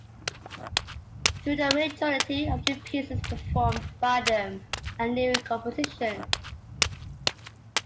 Though the majority of the pieces performed by them are newer compositions.